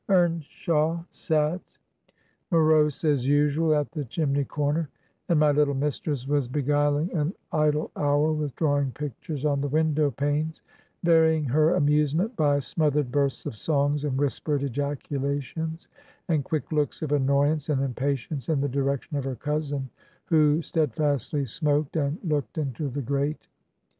"Eamshaw sat, morose as usual, at the chimney comer, and my Uttle mistress was beguiUng an idle hour with drawing pictures on the window panes, vary ing her amusement by smothered bursts of songs, and whispered ejaculations, and quick looks of annoyance and impatience in the direction of her cousin, who stead fastly smoked and looked into the grate.